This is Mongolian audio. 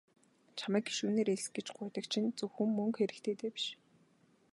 Чамайг гишүүнээр элс гэж гуйдаг чинь зөвхөн мөнгө хэрэгтэйдээ биш.